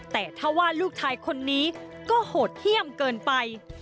แต่ถ้าว่าลูกชายคนนี้ก็โหดเยี่ยมเกินไป